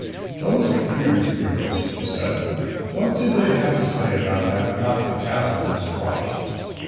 "Those computers of yours," she said. "What did they have to say about that not catassin you squashed?"